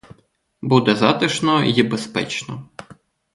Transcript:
Буде затишно й безпечно.